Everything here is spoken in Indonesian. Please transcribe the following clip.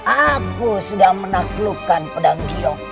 aku sudah menaklukkan pedang gio